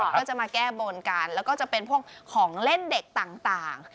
ก็จะมาแก้บนกันแล้วก็จะเป็นพวกของเล่นเด็กต่าง